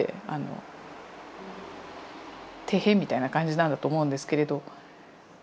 みたいな感じなんだと思うんですけれど。